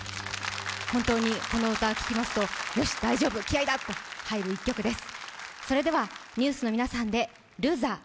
本当にこの歌を聴きますと、よし、大丈夫気合いが入る一曲です。